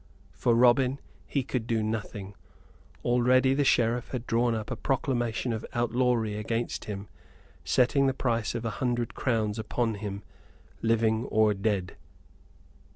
For Robin he could do nothing: already the Sheriff had drawn up a proclamation of outlawry against him, setting the price of a hundred crowns upon him, living or dead.